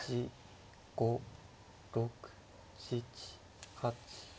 ５６７８。